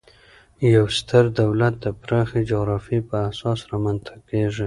یو ستر دولت د پراخي جغرافیې پر اساس رامنځ ته کیږي.